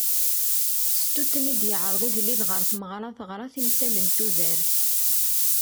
Stut-nni i d-yeɛreḍ ugelliḍ ɣer tmeɣra teɣra timsal n tudert.